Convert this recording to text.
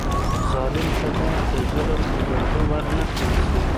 ظالم ته بايد د ظلم اجازه ورنکړل سي.